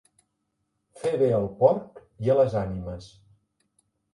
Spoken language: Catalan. Fer bé al porc i a les ànimes.